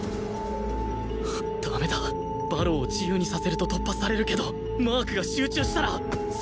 ダメだ馬狼を自由にさせると突破されるけどマークが集中したら